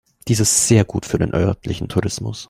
Dies ist sehr gut für den örtlichen Tourismus.